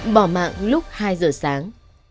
bỏ mạng lúc hai giờ sáng